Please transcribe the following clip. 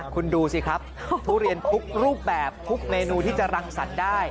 คุณดูสิครับทุเรียนทุกรูปแบบทุกเมนูที่จะรังสรรค์ได้